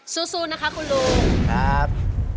ซูซูนะครับคุณลุงครับ